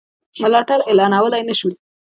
ملاتړ اعلانولای نه شو.